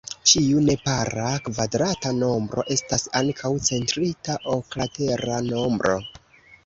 Ĉiu nepara kvadrata nombro estas ankaŭ centrita oklatera nombro.